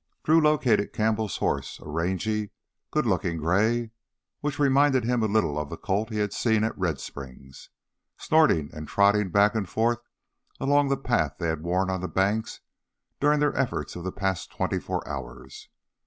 Drew located Campbell's horse, a rangy, good looking gray which reminded him a little of the colt he had seen at Red Springs, snorting and trotting back and forth along the path they had worn on the banks during their efforts of the past twenty four hours.